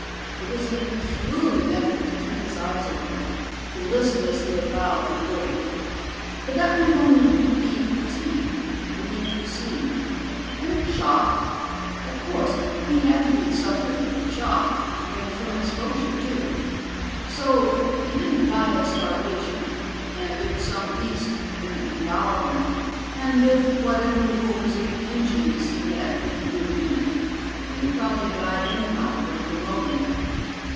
It was a Herculean effort to keep his eyes open, to listen as he had vowed he would. But that might be only fatigue, the need for sleep. And shock! Of course. He had to be suffering from shock, and from exposure, too. So if he didn't die of starvation, and if some beast didn't devour him, and if whatever wounds and injuries he had didn't do him in, he would probably die anyhow from pneumonia.